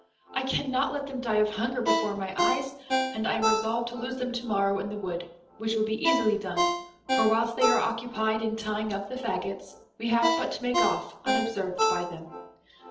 I cannot let them die of hunger before my eyes, and I am resolved to lose them to morrow in the wood, which will be easily done, for whilst they are occupied in tying up the faggots, we have but to make off unobserved by them."